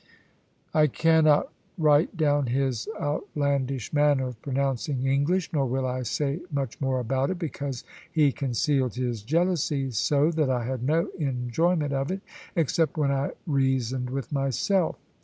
I cannot write down his outlandish manner of pronouncing English; nor will I say much more about it; because he concealed his jealousy so, that I had no enjoyment of it, except when I reasoned with myself.